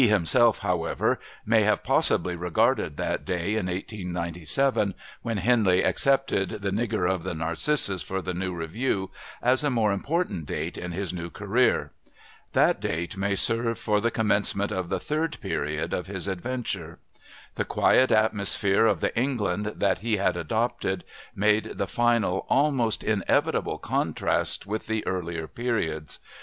He himself, however, may have possibly regarded that day in 1897 when Henley accepted The Nigger of the Narcissus for The New Review as a more important date in his new career. That date may serve for the commencement of the third period of his adventure. The quiet atmosphere of the England that he had adopted made the final, almost inevitable contrast with the earlier periods.